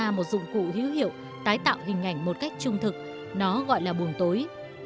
trước đó con người đã tạo ra một dụng cụ hữu hiệu tái tạo hình ảnh một cách trung thực nó gọi là buồng tối